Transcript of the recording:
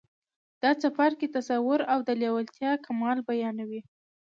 دا څپرکی تصور او د لېوالتیا کمال بيانوي.